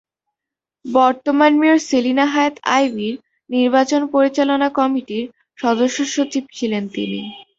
বর্তমান মেয়র সেলিনা হায়াৎ আইভীর নির্বাচন পরিচালনা কমিটির সদস্যসচিব ছিলেন তিনি।